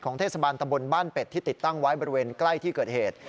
เทศบาลตะบนบ้านเป็ดที่ติดตั้งไว้บริเวณใกล้ที่เกิดเหตุ